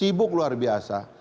sibuk luar biasa